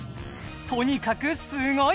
とにかくすごい！